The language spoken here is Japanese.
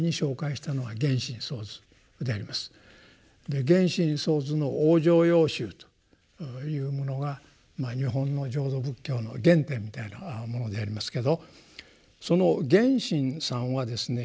で源信僧都の「往生要集」というものが日本の浄土仏教の原点みたいなものでありますけどその源信さんはですね